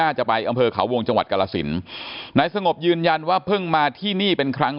มุกน่าจะไปที่เขาวงจังหวัดกรสินนายสงบยืนยันว่าเพิ่งมาที่นี่